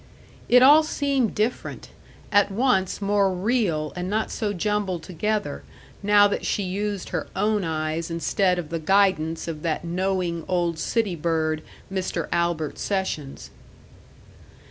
It all seemed different, at once more real and not so jumbled together, now that she used her own eyes instead of the guidance of that knowing old city bird, Mr. Albert Sessions.